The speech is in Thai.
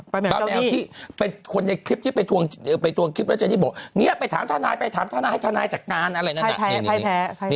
ป้าแมวที่เป็นคนในคลิปที่ไปทวงคลิปแล้วเจนี่บอกเนี่ยไปถามทนายไปถามทนายให้ทนายจัดการอะไรนั้น